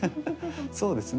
そうですね。